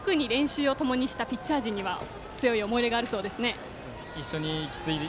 特に練習をともにしたピッチャー陣には強い思い入れがあるようですね。